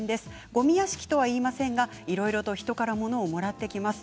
ごみ屋敷とは言いませんがいろいろと人から物ももらってきます。